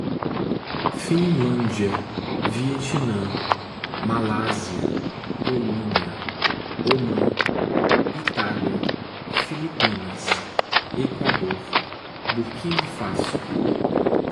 Finlândia, Vietnam, Malásia, Polônia, Omã, Itália, Filipinas, Equador, Burquina Fasso